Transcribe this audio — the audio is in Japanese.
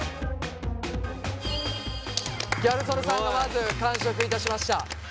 ギャル曽根さんがまず完食いたしました。